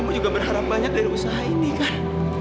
aku juga berharap banyak dari usaha ini kan